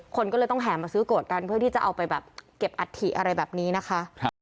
คนก็เลยต้องแห่มาซื้อโกรธกันเพื่อที่จะเอาไปแบบเก็บอัฐิอะไรแบบนี้นะคะ